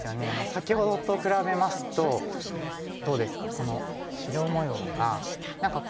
先ほどと比べますとどうですかこの白模様が何かこの一手で。